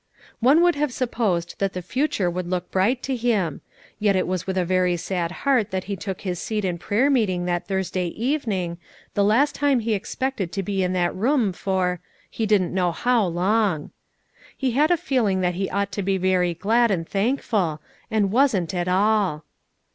One would have supposed that the future would look bright to him; yet it was with a very sad heart that he took his seat in prayer meeting that Thursday evening, the last time he expected to be in that room for he didn't know how long. He had a feeling that he ought to be very glad and thankful, and wasn't at all.